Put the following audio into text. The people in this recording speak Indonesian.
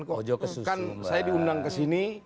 kok kan saya diundang ke sini